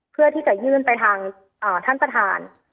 เพื่อที่จะยื่นไปทางท่านประธาน